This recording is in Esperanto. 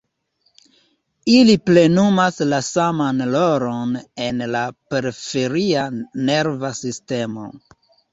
Ili plenumas la saman rolon en la periferia nerva sistemo.